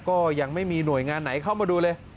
ก็ยังไม่มีหน่วยงานไหนเข้ามาดูเลย